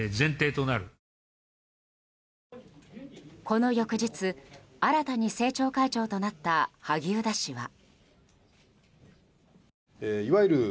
この翌日、新たに政調会長となった萩生田氏は。